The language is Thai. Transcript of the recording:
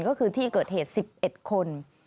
ก็คือที่เกิดเหตุ๑๑คน